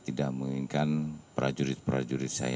saya tidak menginginkan ada prajurit prajurit saya menderita